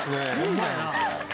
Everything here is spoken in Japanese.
いいじゃないっすか。